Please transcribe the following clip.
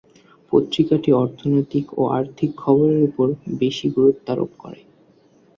পত্রিকাটি অর্থনৈতিক ও আর্থিক খবরের উপর বেশি গুরুত্বারোপ করে।